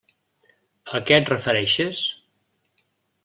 A què et refereixes?